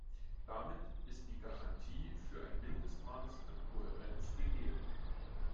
Damit ist die Garantie für ein Mindestmaß an Kohärenz gegeben.